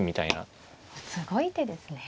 すごい手ですね。